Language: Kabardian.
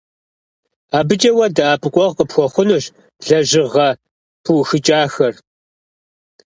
Abıç'e vue de'epıkhueğu khıpxuexhunuş lejığe pıuxıç'axer.